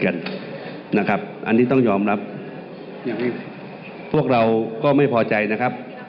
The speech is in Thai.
อันนี้ต้องยอมรับพวกเราก็ไม่พอใจนะครับ